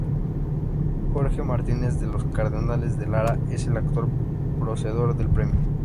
Jorge Martínez de los Cardenales de Lara es el actual poseedor del premio.